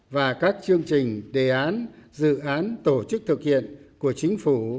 và các chương trình đề án dự án tổ chức thực hiện của chính phủ